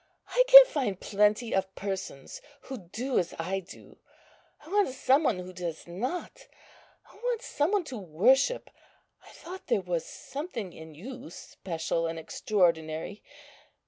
I can find plenty of persons who do as I do; I want some one who does not; I want some one to worship. I thought there was something in you special and extraordinary.